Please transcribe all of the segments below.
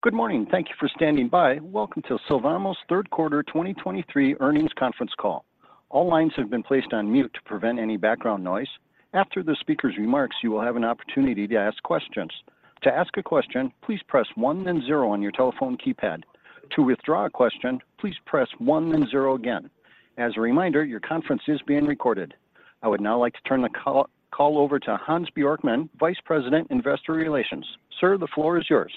Good morning, and thank you for standing by. Welcome to Sylvamo's third quarter 2023 earnings conference call. All lines have been placed on mute to prevent any background noise. After the speaker's remarks, you will have an opportunity to ask questions. To ask a question, please press one then zero on your telephone keypad. To withdraw a question, please press one then zero again. As a reminder, your conference is being recorded. I would now like to turn the call over to Hans Bjorkman, Vice President, Investor Relations. Sir, the floor is yours.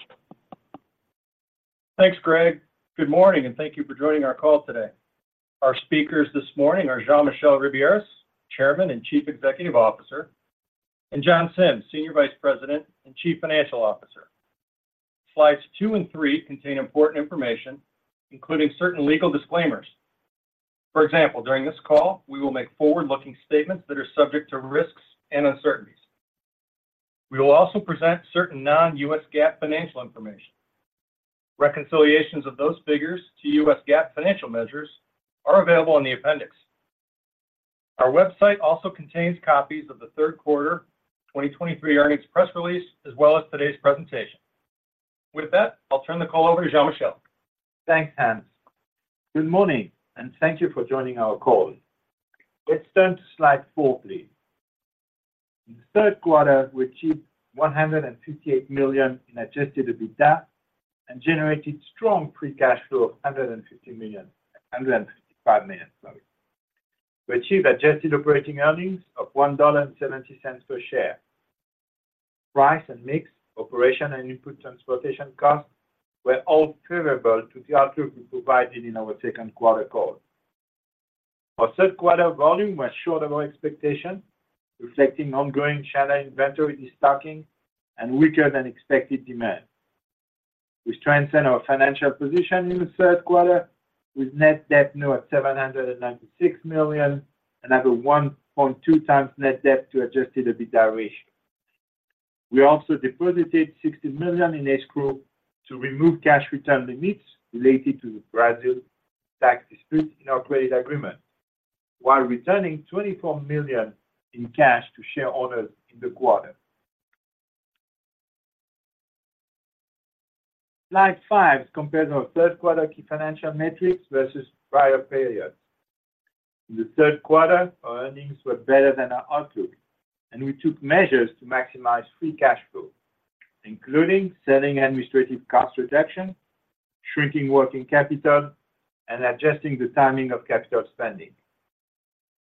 Thanks, Greg. Good morning, and thank you for joining our call today. Our speakers this morning are Jean-Michel Ribiéras, Chairman and Chief Executive Officer, and John Sims, Senior Vice President and Chief Financial Officer. Slides two and three contain important information, including certain legal disclaimers. For example, during this call, we will make forward-looking statements that are subject to risks and uncertainties. We will also present certain non-U.S. GAAP financial information. Reconciliations of those figures to U.S. GAAP financial measures are available in the appendix. Our website also contains copies of the third quarter 2023 earnings press release, as well as today's presentation. With that, I'll turn the call over to Jean-Michel. Thanks, Hans. Good morning, and thank you for joining our call. Let's turn to slide four, please. In the third quarter, we achieved $158 million in adjusted EBITDA and generated strong free cash flow of $150 million-- $155 million, sorry. We achieved adjusted operating earnings of $1.70 per share. Price and mix, operation and input transportation costs were all favorable to the outlook we provided in our second quarter call. Our third quarter volume was short of our expectation, reflecting ongoing China inventory restocking and weaker than expected demand. We strengthened our financial position in the third quarter with net debt now at $796 million and at a 1.2x net debt to adjusted EBITDA ratio. We also deposited $60 million in escrow to remove cash return limits related to the Brazil tax dispute in our credit agreement, while returning $24 million in cash to shareholders in the quarter. Slide five compares our third quarter key financial metrics versus prior periods. In the third quarter, our earnings were better than our outlook, and we took measures to maximize free cash flow, including selling administrative cost reduction, shrinking working capital, and adjusting the timing of capital spending.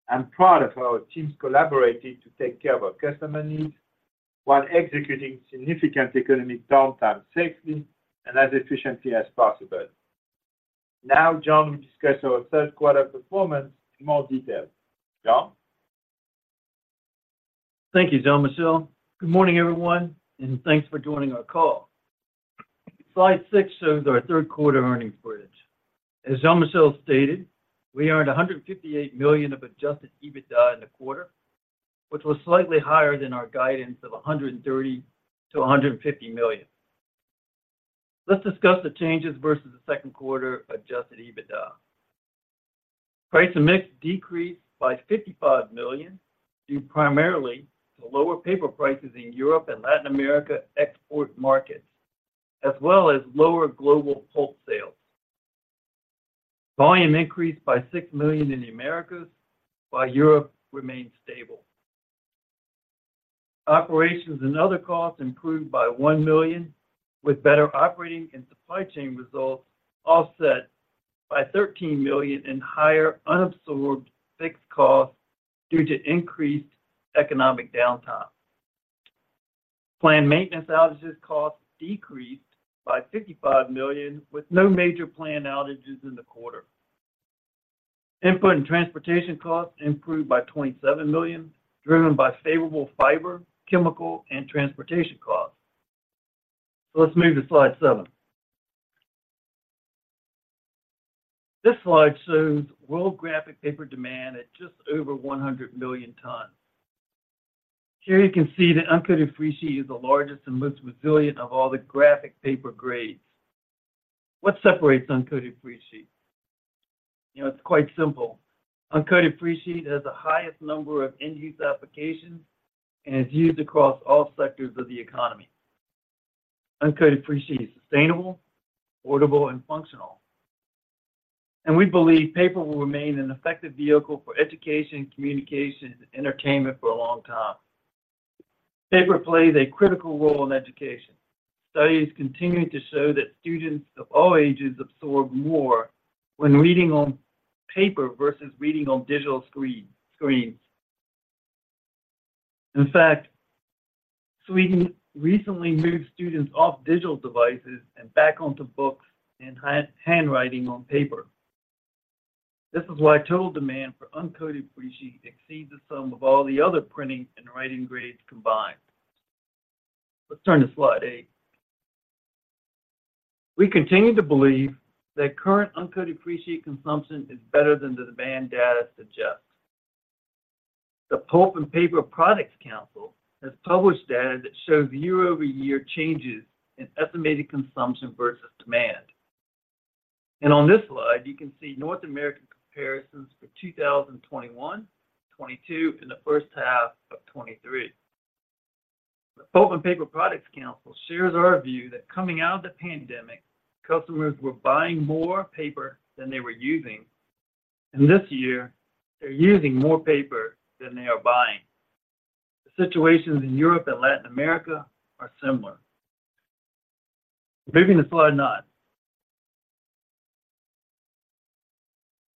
I'm proud of how our teams collaborated to take care of our customer needs while executing significant economic downtime safely and as efficiently as possible. Now, John will discuss our third quarter performance in more detail. John? Thank you, Jean-Michel. Good morning, everyone, and thanks for joining our call. Slide six shows our third quarter earnings results. As Jean-Michel stated, we earned $158 million of adjusted EBITDA in the quarter, which was slightly higher than our guidance of $130 million-$150 million. Let's discuss the changes versus the second quarter adjusted EBITDA. Price and mix decreased by $55 million, due primarily to lower paper prices in Europe and Latin America export markets, as well as lower global pulp sales. Volume increased by $6 million in the Americas, while Europe remained stable. Operations and other costs improved by $1 million, with better operating and supply chain results offset by $13 million in higher unabsorbed fixed costs due to increased economic downtime. Planned maintenance outages costs decreased by $55 million, with no major planned outages in the quarter. Input and transportation costs improved by $27 million, driven by favorable fiber, chemical, and transportation costs. So let's move to slide seven. This slide shows world graphic paper demand at just over 100 million tons. Here, you can see that uncoated freesheet is the largest and most resilient of all the graphic paper grades. What separates uncoated freesheet? You know, it's quite simple. Uncoated freesheet has the highest number of end-use applications and is used across all sectors of the economy. Uncoated freesheet is sustainable, affordable, and functional, and we believe paper will remain an effective vehicle for education, communication, and entertainment for a long time. Paper plays a critical role in education. Studies continue to show that students of all ages absorb more when reading on paper versus reading on digital screens. In fact, Sweden recently moved students off digital devices and back onto books and handwriting on paper. This is why total demand for uncoated freesheet exceeds the sum of all the other printing and writing grades combined. Let's turn to slide eight. We continue to believe that current uncoated freesheet consumption is better than the demand data suggests. The Pulp and Paper Products Council has published data that shows year-over-year changes in estimated consumption versus demand. On this slide, you can see North American comparisons for 2021, 2022, and the first half of 2023. The Pulp and Paper Products Council shares our view that coming out of the pandemic, customers were buying more paper than they were using, and this year, they're using more paper than they are buying. The situations in Europe and Latin America are similar. Moving to slide nine.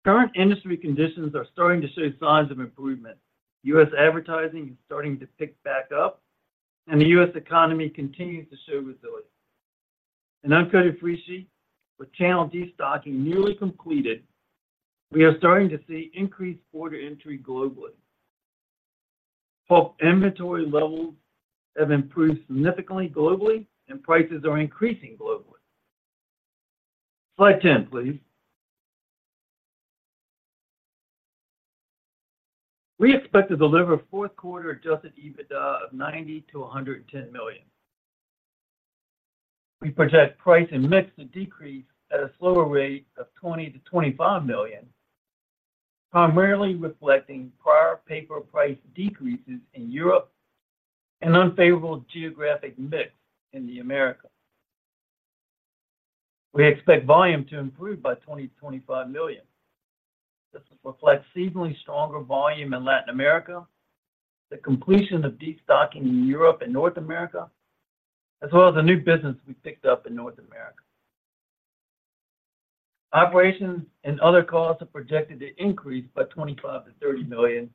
Current industry conditions are starting to show signs of improvement. U.S. advertising is starting to pick back up, and the U.S. economy continues to show resilience. Uncoated freesheet with channel destocking nearly completed, we are starting to see increased order entry globally. Pulp inventory levels have improved significantly globally, and prices are increasing globally. Slide 10, please. We expect to deliver fourth quarter Adjusted EBITDA of $90 million-$110 million. We project price and mix to decrease at a slower rate of $20 million-$25 million, primarily reflecting prior paper price decreases in Europe and unfavorable geographic mix in the Americas. We expect volume to improve by $20 million-$25 million. This will reflect seasonally stronger volume in Latin America, the completion of destocking in Europe and North America, as well as the new business we picked up in North America. Operations and other costs are projected to increase by $25 million-$30 million,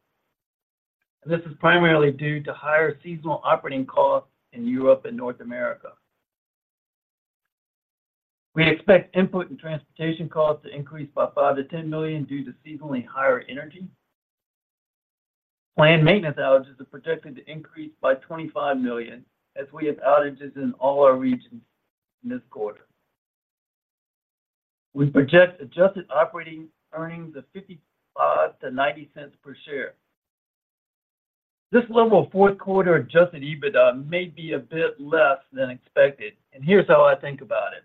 and this is primarily due to higher seasonal operating costs in Europe and North America. We expect input and transportation costs to increase by $5 million-$10 million due to seasonally higher energy. Planned maintenance outages are projected to increase by $25 million, as we have outages in all our regions in this quarter. We project Adjusted Operating Earnings of $0.55-$0.90 per share. This level of fourth quarter Adjusted EBITDA may be a bit less than expected, and here's how I think about it: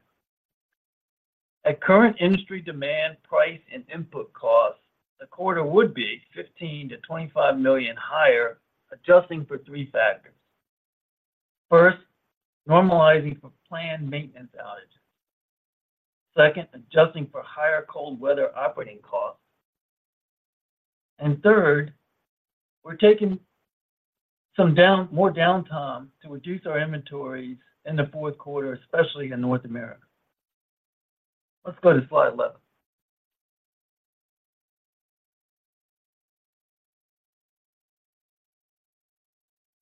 At current industry demand, price, and input costs, the quarter would be $15 million-$25 million higher, adjusting for three factors. First, normalizing for planned maintenance outages. Second, adjusting for higher cold weather operating costs. And third, we're taking more downtime to reduce our inventories in the fourth quarter, especially in North America. Let's go to slide 11.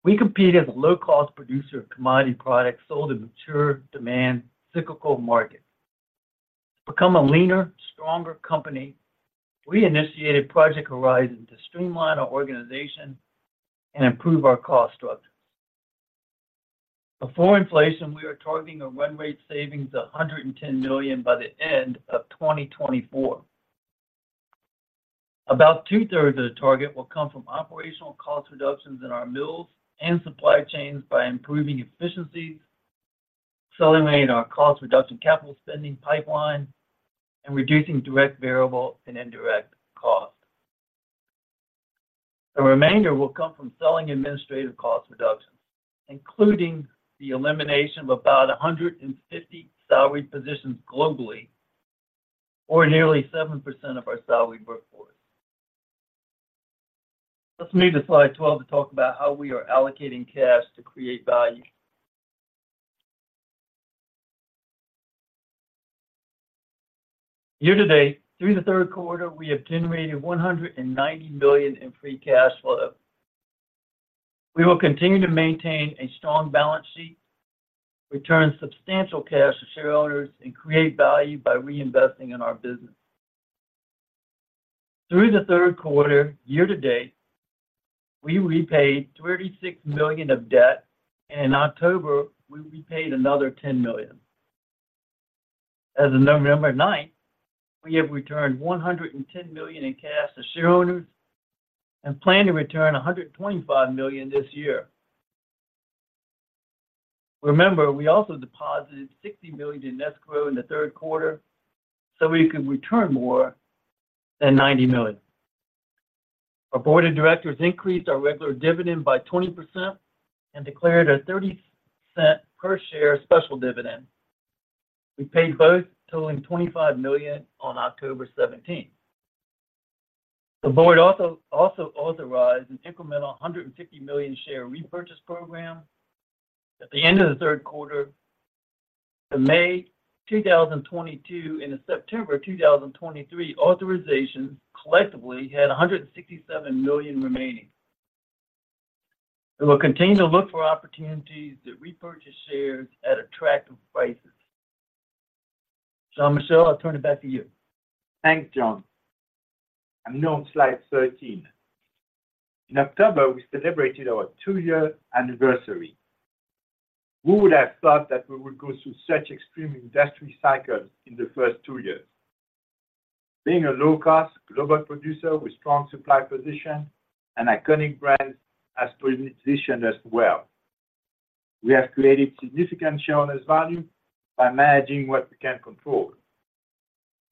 We compete as a low-cost producer of commodity products sold in mature demand, cyclical markets. To become a leaner, stronger company, we initiated Project Horizon to streamline our organization and improve our cost structure. Before inflation, we are targeting a run rate savings of $110 million by the end of 2024. About 2/3 of the target will come from operational cost reductions in our mills and supply chains by improving efficiencies, accelerating our cost reduction capital spending pipeline, and reducing direct variable and indirect costs. The remainder will come from selling administrative cost reductions, including the elimination of about 150 salaried positions globally, or nearly 7% of our salaried workforce. Let's move to slide 12 to talk about how we are allocating cash to create value. Year to date, through the third quarter, we have generated $190 million in free cash flow. We will continue to maintain a strong balance sheet, return substantial cash to shareholders, and create value by reinvesting in our business. Through the third quarter, year to date, we repaid $36 million of debt, and in October, we repaid another $10 million. As of November 9, we have returned $110 million in cash to shareholders and plan to return $125 million this year. Remember, we also deposited $60 million in escrow in the third quarter, so we could return more than $90 million. Our board of directors increased our regular dividend by 20% and declared a 30-cent per share special dividend. We paid both, totaling $25 million on October 17. The board also authorized an incremental 150 million share repurchase program. At the end of the third quarter, the May 2022 and the September 2023 authorizations collectively had $167 million remaining. We will continue to look for opportunities to repurchase shares at attractive prices. So, Michel, I'll turn it back to you. Thanks, John. I'm now on slide 13. In October, we celebrated our two-year anniversary. Who would have thought that we would go through such extreme industry cycles in the first two years? Being a low-cost global producer with strong supply position and iconic brands has positioned us well. We have created significant shareholders' value by managing what we can control.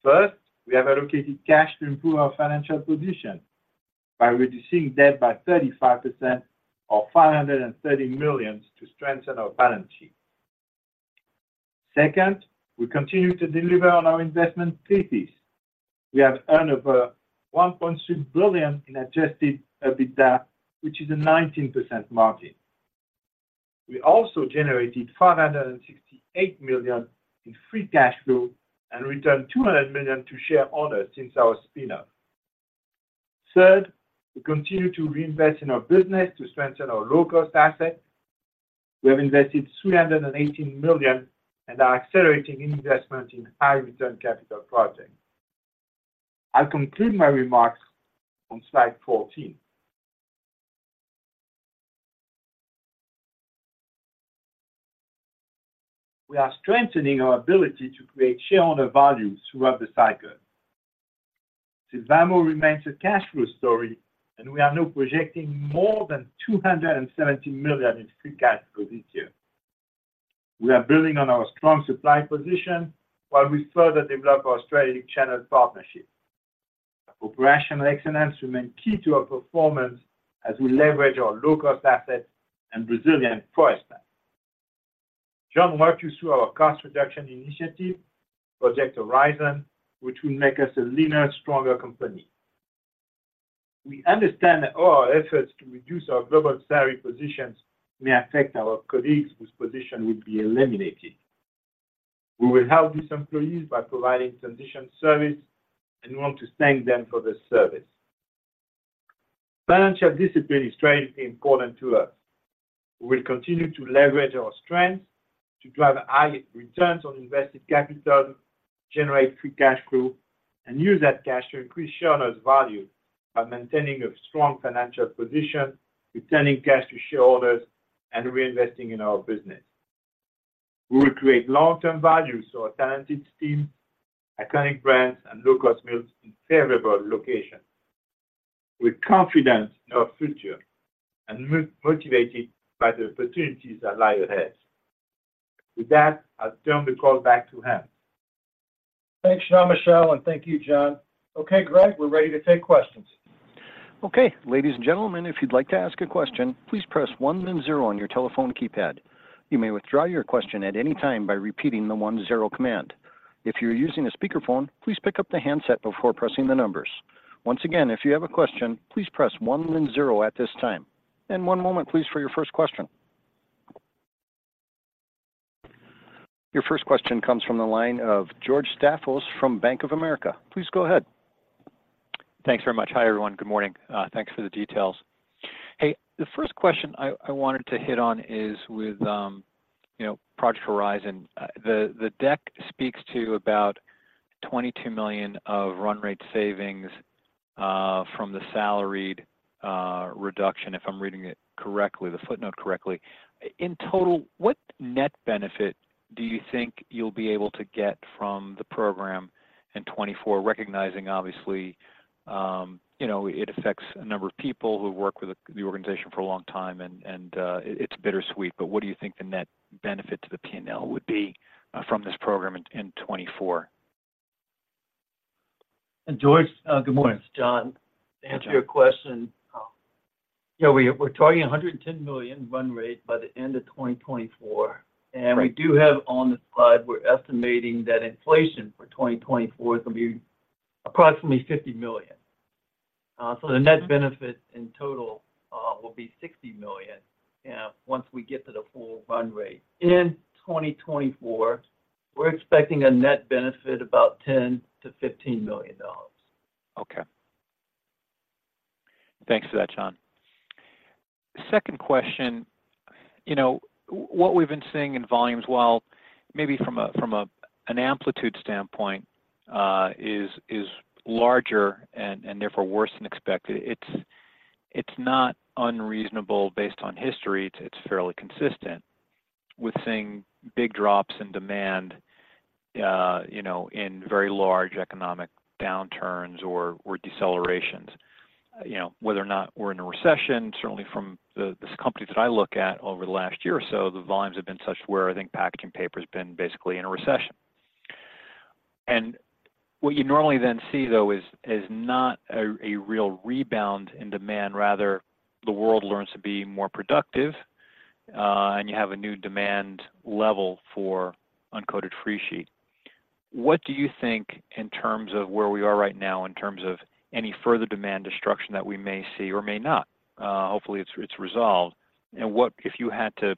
First, we have allocated cash to improve our financial position by reducing debt by 35% or $530 million to strengthen our balance sheet. Second, we continue to deliver on our investment thesis. We have earned over $1.2 billion in Adjusted EBITDA, which is a 19% margin. We also generated $568 million in free cash flow and returned $200 million to share owners since our spin-off. Third, we continue to reinvest in our business to strengthen our low-cost assets. We have invested $318 million and are accelerating investment in high return capital projects. I'll conclude my remarks on slide 14. We are strengthening our ability to create shareholder value throughout the cycle. Sylvamo remains a cash flow story, and we are now projecting more than $270 million in free cash flow this year. We are building on our strong supply position while we further develop our strategic channel partnership. Operational excellence remains key to our performance as we leverage our low-cost assets and resilient forest assets. John walked you through our cost reduction initiative, Project Horizon, which will make us a leaner, stronger company. We understand that all our efforts to reduce our global salary positions may affect our colleagues whose position will be eliminated. We will help these employees by providing transition service and want to thank them for their service. Financial discipline is extremely important to us. We will continue to leverage our strengths to drive high returns on invested capital, generate free cash flow, and use that cash to increase shareholders' value by maintaining a strong financial position, returning cash to shareholders, and reinvesting in our business. We will create long-term value, so our talented team, iconic brands, and low-cost mills in favorable location, with confidence in our future and motivated by the opportunities that lie ahead. With that, I'll turn the call back to Hans. Thanks, Jean-Michel, and thank you, John. Okay, Greg, we're ready to take questions. Okay, ladies and gentlemen, if you'd like to ask a question, please press one then zero on your telephone keypad. You may withdraw your question at any time by repeating the one zero command. If you're using a speakerphone, please pick up the handset before pressing the numbers. Once again, if you have a question, please press one then zero at this time. And one moment, please, for your first question. Your first question comes from the line of George Staphos from Bank of America. Please go ahead. Thanks very much. Hi, everyone. Good morning. Thanks for the details. Hey, the first question I wanted to hit on is with, you know, Project Horizon. The deck speaks to about $22 million of run rate savings from the salaried reduction, if I'm reading it correctly—the footnote correctly. In total, what net benefit do you think you'll be able to get from the program in 2024, recognizing, obviously, you know, it affects a number of people who worked with the organization for a long time, and it is bittersweet, but what do you think the net benefit to the P&L would be from this program in 2024? George, good morning. It's John. Okay. To answer your question, you know, we're targeting $110 million run rate by the end of 2024. Right. We do have on the slide, we're estimating that inflation for 2024 is going to be approximately $50 million. So the net benefit in total will be $60 million. Yeah, once we get to the full run rate. In 2024, we're expecting a net benefit about $10 million-$15 million. Okay. Thanks for that, John. Second question, you know, what we've been seeing in volumes, while maybe from an amplitude standpoint, is larger and therefore worse than expected, it's not unreasonable based on history. It's fairly consistent with seeing big drops in demand, you know, in very large economic downturns or decelerations. You know, whether or not we're in a recession, certainly from the companies that I look at over the last year or so, the volumes have been such where I think packaging paper has been basically in a recession. And what you normally then see, though, is not a real rebound in demand. Rather, the world learns to be more productive, and you have a new demand level for uncoated freesheet. What do you think in terms of where we are right now, in terms of any further demand destruction that we may see or may not? Hopefully, it's, it's resolved. And what if you had to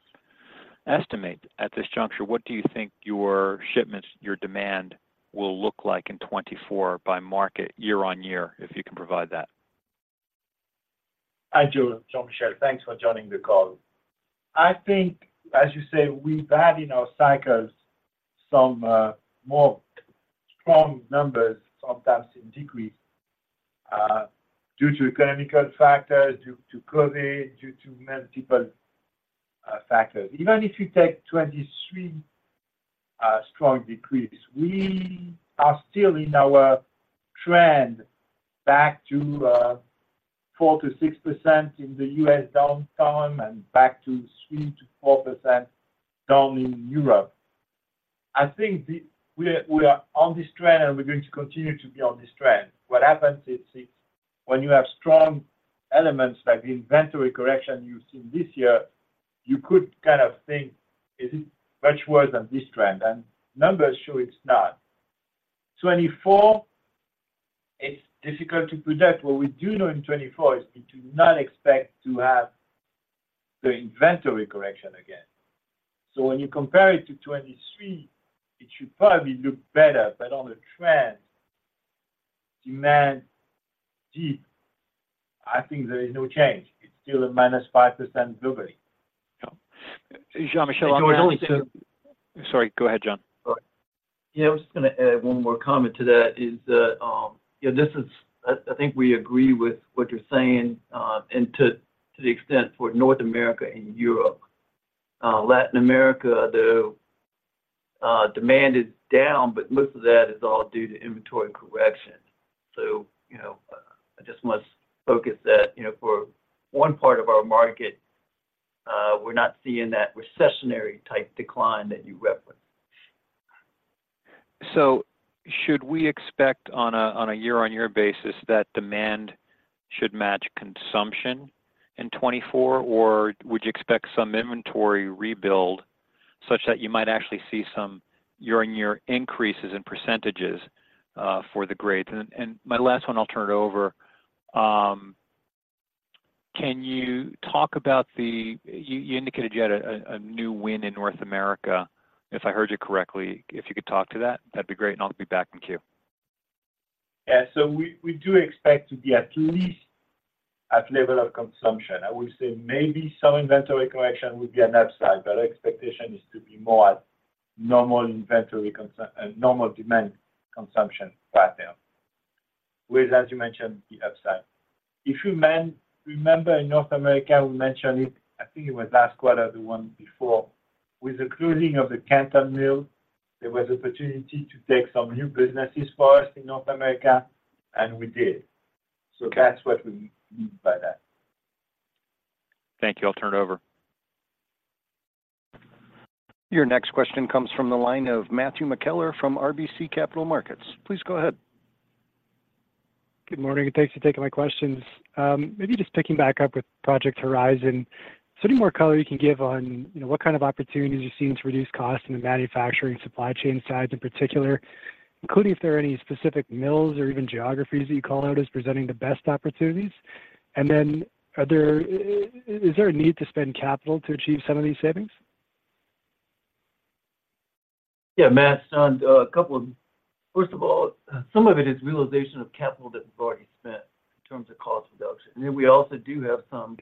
estimate at this juncture, what do you think your shipments, your demand will look like in 2024 by market, year-over-year, if you can provide that? Hi, George. Jean-Michel. Thanks for joining the call. I think, as you say, we've had in our cycles some, more strong numbers, sometimes in decrease, due to economical factors, due to COVID, due to multiple, factors. Even if you take 2023, a strong decrease. We are still in our trend back to, four to six percent in the U.S. downtime and back to three to four percent down in Europe. I think we are, we are on this trend, and we're going to continue to be on this trend. What happens is, when you have strong elements like the inventory correction you've seen this year, you could kind of think, is it much worse than this trend? And numbers show it's not. 2024, it's difficult to predict. What we do know in 2024 is we do not expect to have the inventory correction again. When you compare it to 2023, it should probably look better, but on the trend, demand, gee, I think there is no change. It's still a -5% globally. Yeah. Jean-Michel, there was only two- Sorry, go ahead, John. Yeah, I was just gonna add one more comment to that is that, you know, this is—I think we agree with what you're saying, and to the extent for North America and Europe. Latin America, the demand is down, but most of that is all due to inventory correction. So, you know, I just must focus that, you know, for one part of our market, we're not seeing that recessionary-type decline that you referenced. So should we expect on a year-on-year basis that demand should match consumption in 2024? Or would you expect some inventory rebuild such that you might actually see some year-on-year increases in percentages for the grades? And my last one, I'll turn it over. Can you talk about the, you indicated you had a new win in North America, if I heard you correctly. If you could talk to that, that'd be great, and I'll be back in queue. Yeah, so we, we do expect to be at least at level of consumption. I would say maybe some inventory correction would be an upside, but our expectation is to be more at normal inventory concern, normal demand consumption pattern, with, as you mentioned, the upside. If you remember in North America, we mentioned it, I think it was last quarter, the one before. With the closing of the Canton mill, there was opportunity to take some new businesses for us in North America, and we did. So that's what we mean by that. Thank you. I'll turn it over. Your next question comes from the line of Matthew McKellar from RBC Capital Markets. Please go ahead. Good morning, and thanks for taking my questions. Maybe just picking back up with Project Horizon, is there any more color you can give on, you know, what kind of opportunities you're seeing to reduce costs on the manufacturing supply chain side in particular, including if there are any specific mills or even geographies that you call out as presenting the best opportunities? And then, is there a need to spend capital to achieve some of these savings? Yeah, Matt, on a couple of, first of all, some of it is realization of capital that was already spent in terms of cost reduction. And then we also do have some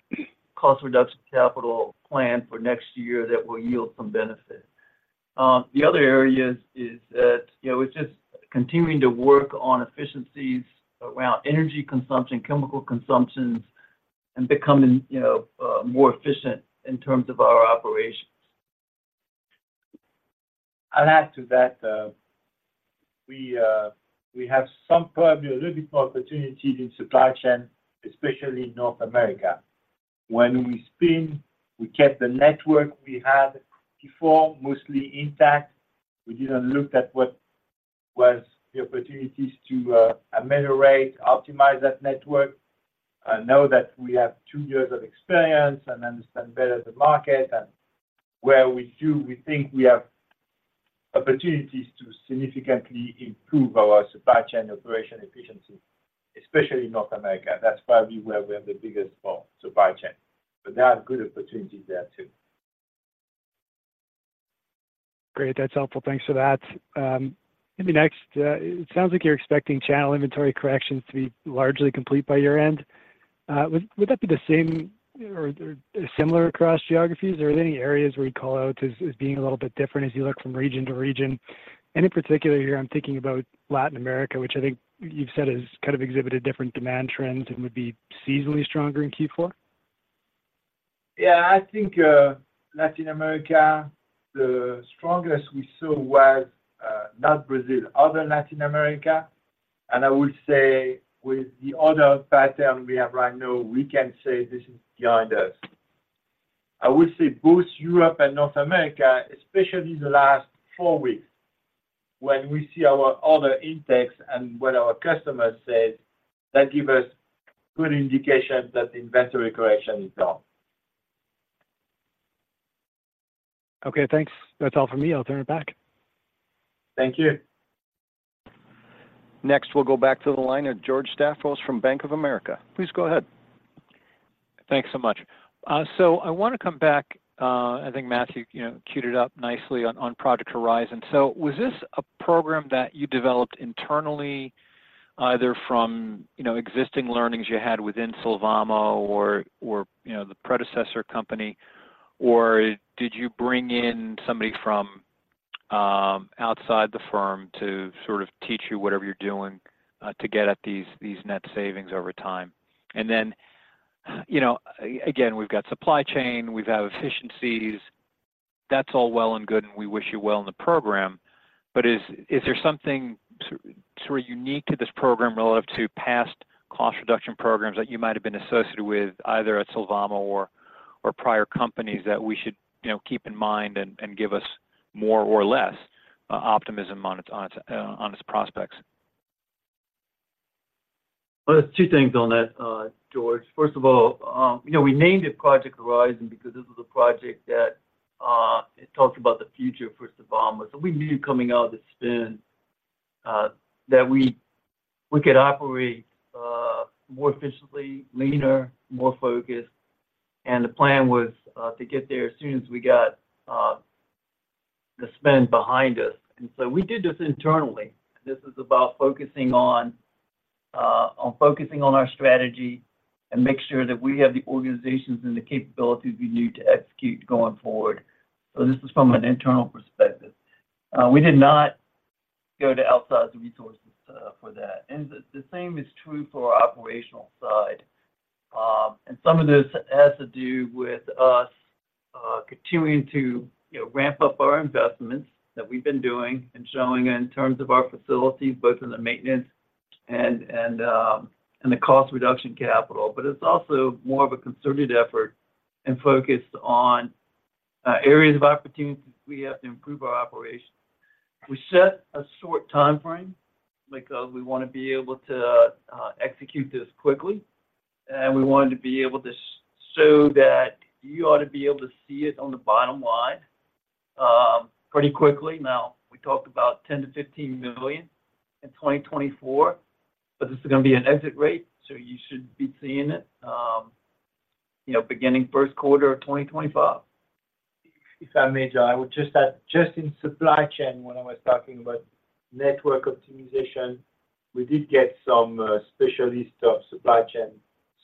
cost reduction capital plan for next year that will yield some benefit. The other areas is that, you know, it's just continuing to work on efficiencies around energy consumption, chemical consumptions, and becoming, you know, more efficient in terms of our operations. I'll add to that. We have some probably a little bit more opportunities in supply chain, especially in North America. When we spin, we kept the network we had before, mostly intact. We didn't look at what was the opportunities to, ameliorate, optimize that network. Now that we have two years of experience and understand better the market and where we do, we think we have opportunities to significantly improve our supply chain operation efficiency, especially in North America. That's probably where we have the biggest fall, supply chain, but there are good opportunities there too. Great. That's helpful. Thanks for that. Maybe next, it sounds like you're expecting channel inventory corrections to be largely complete by your end. Would that be the same or similar across geographies? Are there any areas where you'd call out as being a little bit different as you look from region to region? And in particular here, I'm thinking about Latin America, which I think you've said has kind of exhibited different demand trends and would be seasonally stronger in Q4. Yeah, I think, Latin America, the strongest we saw was, not Brazil, other Latin America. And I would say with the other pattern we have right now, we can say this is behind us. I would say both Europe and North America, especially in the last four weeks, when we see our other intakes and what our customers said, that give us good indication that inventory correction is done. Okay, thanks. That's all for me. I'll turn it back. Thank you. Next, we'll go back to the line of George Staphos from Bank of America. Please go ahead. Thanks so much. So I want to come back. I think Matthew, you know, cued it up nicely on Project Horizon. So was this a program that you developed internally, either from, you know, existing learnings you had within Sylvamo or, you know, the predecessor company? Or did you bring in somebody from outside the firm to sort of teach you whatever you're doing to get at these net savings over time? And then you know, again, we've got supply chain, we have efficiencies. That's all well and good, and we wish you well in the program. But is there something sort of unique to this program relative to past cost reduction programs that you might have been associated with, either at Sylvamo or prior companies that we should, you know, keep in mind and give us more or less optimism on its prospects? Well, there's two things on that, George. First of all, you know, we named it Project Horizon because this was a project that it talked about the future for Sylvamo. So we knew coming out of the spin that we could operate more efficiently, leaner, more focused, and the plan was to get there as soon as we got the spend behind us. And so we did this internally. This is about focusing on focusing on our strategy and make sure that we have the organizations and the capabilities we need to execute going forward. So this is from an internal perspective. We did not go to outside resources for that. And the same is true for our operational side. And some of this has to do with us continuing to, you know, ramp up our investments that we've been doing and showing in terms of our facilities, both in the maintenance and the cost reduction capital. But it's also more of a concerted effort and focus on areas of opportunities we have to improve our operations. We set a short timeframe because we want to be able to execute this quickly, and we wanted to be able to show that you ought to be able to see it on the bottom line pretty quickly. Now, we talked about $10 million-$15 million in 2024, but this is gonna be an exit rate, so you should be seeing it, you know, beginning first quarter of 2025. If I may, John, I would just add, just in supply chain, when I was talking about network optimization, we did get some specialist of supply chain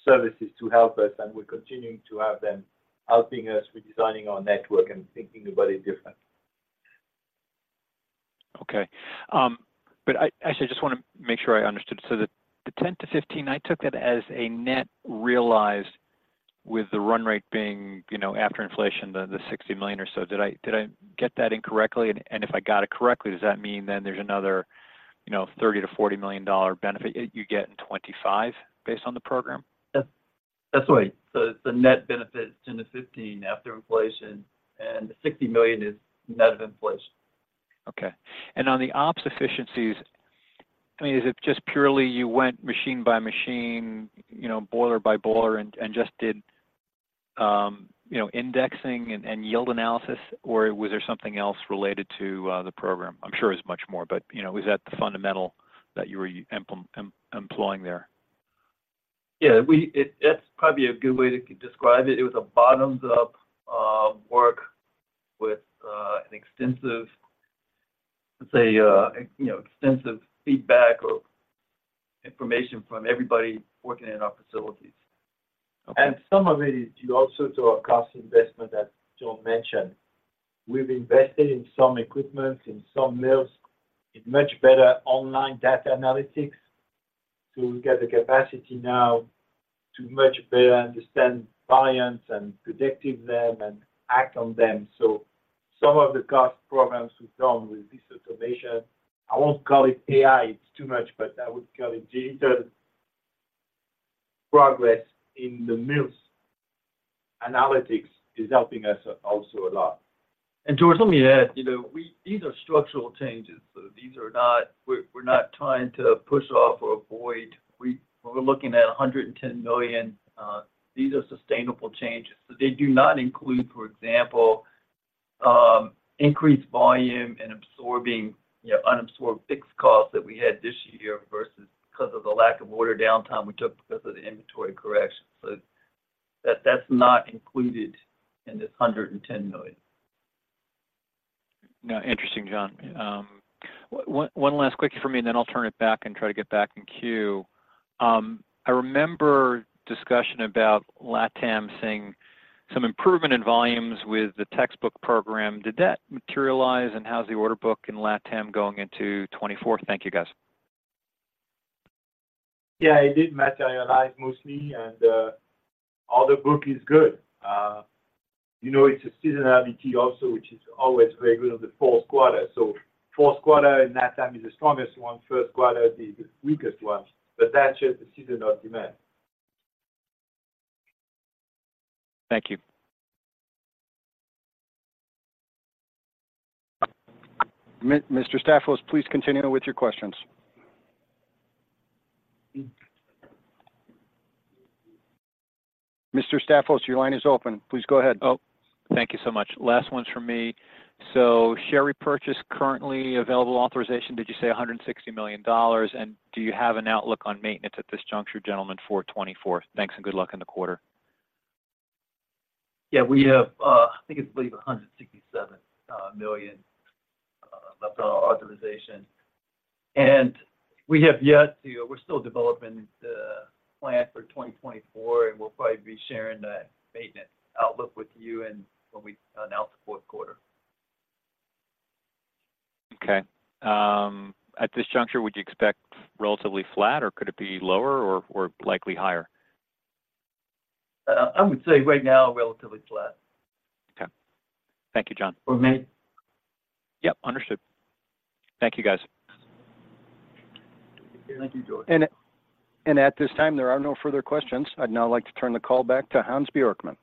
services to help us, and we're continuing to have them, helping us with designing our network and thinking about it different. Okay. But I actually just wanna make sure I understood. So the $10-$15, I took that as a net realized with the run rate being, you know, after inflation, the $60 million or so. Did I get that incorrectly? And if I got it correctly, does that mean then there's another, you know, $30 million-$40 million benefit you get in 2025 based on the program? That's right. The net benefit is $10-$15 after inflation, and the $60 million is net of inflation. Okay. And on the ops efficiencies, I mean, is it just purely you went machine by machine, you know, boiler by boiler, and just did, you know, indexing and yield analysis, or was there something else related to the program? I'm sure it's much more, but, you know, was that the fundamental that you were employing there? Yeah, that's probably a good way to describe it. It was a bottoms-up work with an extensive, let's say, you know, extensive feedback or information from everybody working in our facilities. Okay. Some of it is due also to our cost investment that John mentioned. We've invested in some equipment, in some mills, in much better online data analytics to get the capacity now to much better understand clients and predicting them and act on them. Some of the cost programs we've done with this observation, I won't call it AI, it's too much, but I would call it digital progress in the mills. Analytics is helping us also a lot. George, let me add, you know, these are structural changes, so these are not. We're not trying to push off or avoid. When we're looking at $110 million, these are sustainable changes. So they do not include, for example, increased volume and absorbing, you know, unabsorbed fixed costs that we had this year versus because of the lack of ordered downtime we took because of the inventory correction. So that's not included in this $110 million. No, interesting, John. One last quick for me, and then I'll turn it back and try to get back in queue. I remember discussion about Latam seeing some improvement in volumes with the textbook program. Did that materialize, and how's the order book in Latam going into 2024? Thank you, guys. Yeah, it did materialize mostly, and order book is good. You know, it's a seasonality also, which is always very good on the fourth quarter. So fourth quarter in Latam is the strongest one, first quarter is the weakest one, but that's just the season of demand. Thank you. Mr. Staphos, please continue with your questions. Mr. Staphos, your line is open. Please go ahead. Oh, thank you so much. Last ones from me. So, share repurchase—currently available authorization—did you say $160 million? And do you have an outlook on maintenance at this juncture, gentlemen, for 2024? Thanks, and good luck in the quarter. Yeah, we have, I think it's, I believe, $167 million, that's our authorization. We have yet to. We're still developing the plan for 2024, and we'll probably be sharing the maintenance outlook with you in- when we announce the fourth quarter. Okay. At this juncture, would you expect relatively flat, or could it be lower, or likely higher? I would say right now, relatively flat. Okay. Thank you, John. For me? Yep, understood. Thank you, guys. Thank you, George. And at this time, there are no further questions. I'd now like to turn the call back to Hans Bjorkman.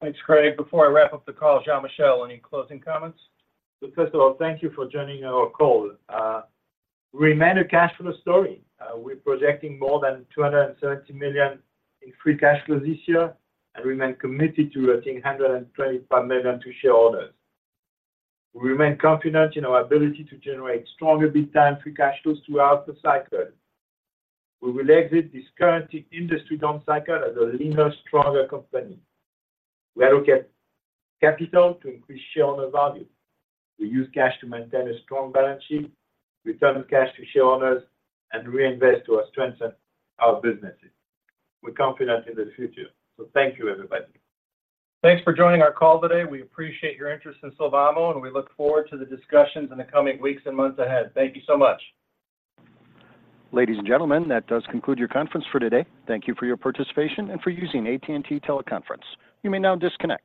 Thanks, Craig. Before I wrap up the call, Jean-Michel, any closing comments? So first of all, thank you for joining our call. We remain a cash flow story. We're projecting more than $230 million in free cash flows this year, and we remain committed to returning $125 million to shareholders. We remain confident in our ability to generate stronger, big time free cash flows throughout the cycle. We will exit this current industry down cycle as a leaner, stronger company. We allocate capital to increase shareholder value. We use cash to maintain a strong balance sheet, return cash to shareholders, and reinvest to strengthen our businesses. We're confident in the future. So thank you, everybody. Thanks for joining our call today. We appreciate your interest in Sylvamo, and we look forward to the discussions in the coming weeks and months ahead. Thank you so much. Ladies and gentlemen, that does conclude your conference for today. Thank you for your participation and for using AT&T Teleconference. You may now disconnect.